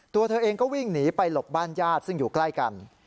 ตัวเธอเองก็วิ่งหนีไปหลบบ้านญาติซึ่งอยู่ใกล้กัน